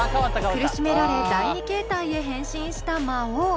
苦しめられ第２形態へ変身した魔王。